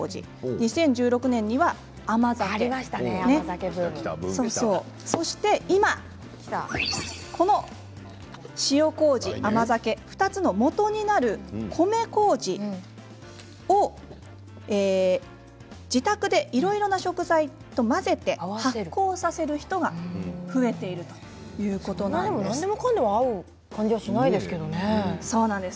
２０１６年には甘酒そして、今この塩こうじ、甘酒２つのもとになる米こうじを使って自宅でいろいろな食材と混ぜて発酵させる人が増えているんです。